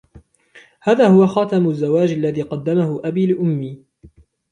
هذا هو خاتم الزواج الذي قدّمه أبي لأمي.